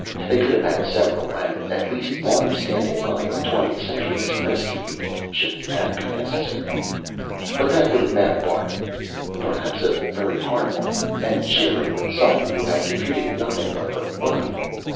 They could have had several and at least one standing by in the twentieth century as a rescue unit, should that be necessary. But that would have meant a bargain, perhaps a very hard one, and sharing with someone who had contributed nothing but the money.